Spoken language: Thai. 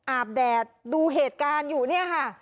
อาบแดดดูเหตุการณ์อยู่เนี่ยค่ะ